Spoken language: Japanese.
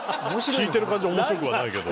聞いてる感じは面白くはないけど。